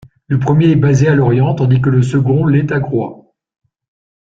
Le premier est basé à Lorient, tandis que le second l'est à Groix.